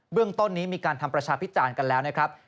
เรื่องต้นนี้มีการทำประชาพิจารณ์กันแล้วนะครับ